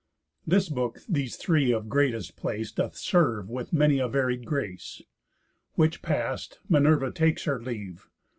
This book these three of greatest place Doth serve with many a varied grace. Which past, Minerva takes her leave.